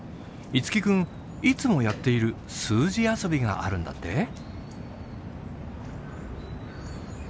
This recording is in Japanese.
樹君いつもやっている数字遊びがあるんだって？